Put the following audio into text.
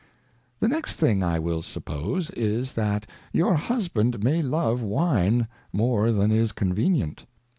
The next thing I will suppose, is. That your Husband may love Wine more than is convenient.